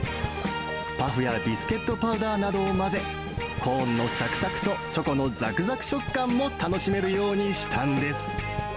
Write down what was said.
パフやビスケットパウダーなどを混ぜ、コーンのさくさくとチョコのざくざく食感も楽しめるようにしたんです。